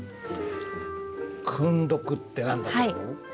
「訓読」って何だと思う？